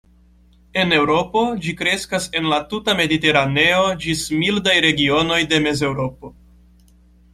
En Eŭropo ĝi kreskas en la tuta mediteraneo ĝis mildaj regionoj de Mezeŭropo.